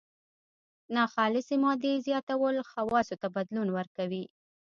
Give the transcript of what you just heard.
ناخالصې مادې زیاتول خواصو ته بدلون ورکوي.